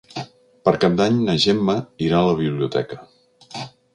Per Cap d'Any na Gemma irà a la biblioteca.